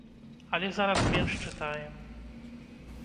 Але зараз менш чытаем.